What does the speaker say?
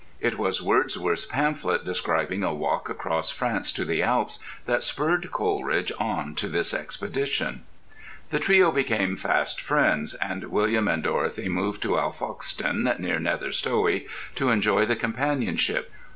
It was Wordsworth's pamphlet describing a walk across France to the Alps that spurred Coleridge on to this expedition. The trio became fast friends, and William and Dorothy moved to Alfoxden (near Nether Stowey) to enjoy the companionship.